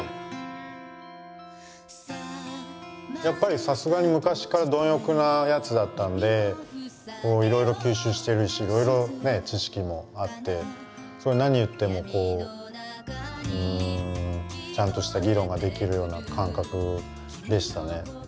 やっぱりさすがに昔から貪欲なやつだったんでいろいろ吸収してるしいろいろ知識もあって何言ってもこうちゃんとした議論ができるような感覚でしたね。